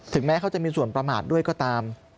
แม้เขาจะมีส่วนประมาทด้วยก็ตาม